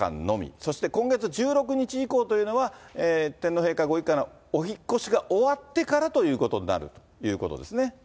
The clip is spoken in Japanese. そして今月１６日以降というのは、天皇陛下ご一家のお引っ越しが終わってからということになるといそうです。